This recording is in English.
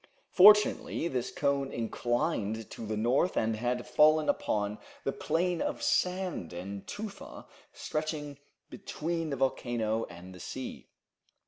Fortunately, this cone inclined to the north, and had fallen upon the plain of sand and tufa stretching between the volcano and the sea.